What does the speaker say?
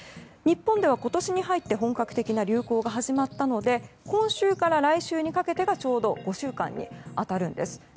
日本では今年に入って本格的な流行が始まったので今週から来週にかけてがちょうど５週間に当たるんです。